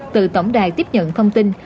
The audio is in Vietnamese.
từ tổng đài tiếp nhận thông tin